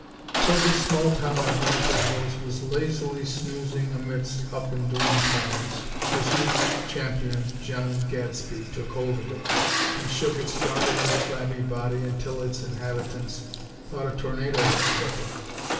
So this small town of Branton Hills was lazily snoozing amidst up and doing towns, as Youth's Champion, John Gadsby, took hold of it; and shook its dawdling, flabby body until its inhabitants thought a tornado had struck it.